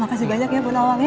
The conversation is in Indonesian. ya makasih banyak ya bu naung ya